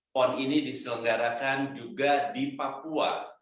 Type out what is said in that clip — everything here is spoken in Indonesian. pon ini diselenggarakan juga di papua